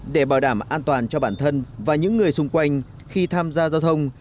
để bảo đảm an toàn cho bản thân và những người xung quanh khi tham gia giao thông